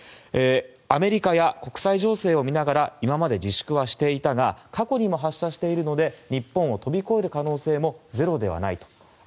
アメリカや国際情勢を見ながら今まで自粛はしていたが過去にも発射しているので日本を飛び越える可能性もゼロではないと。